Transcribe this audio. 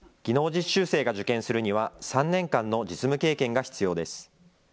技能実習生が受験するには、３年間の実務経験が必要です。